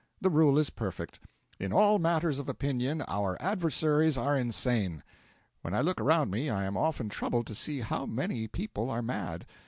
The rule is perfect; in all matters of opinion our adversaries are insane. When I look around me I am often troubled to see how many people are mad.